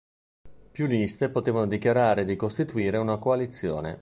Più liste potevano dichiarare di costituire una coalizione.